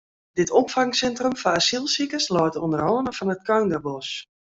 Dit opfangsintrum foar asylsikers leit oan de râne fan it Kúnderbosk.